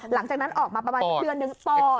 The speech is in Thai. หลังจากนั้นออกมาประมาณเมื่อหนึ่งตอด